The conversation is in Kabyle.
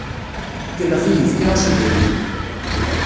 Tkellex-iyi, fkiɣ-as idrimen.